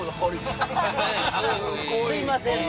すいません。